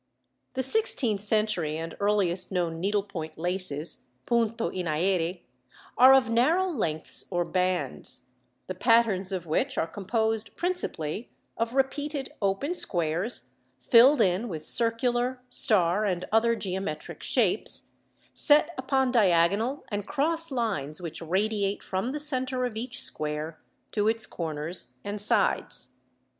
The sixteenth century and earliest known needlepoint laces (punto in aere) are of narrow lengths or bands, the patterns of which are composed principally of repeated open squares filled in with circular, star, and other geometric shapes, set upon diagonal and cross lines which radiate from the centre of each square to its corners and sides.